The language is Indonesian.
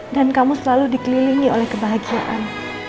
dan kamu selalu dikelilingi oleh kebahagiaan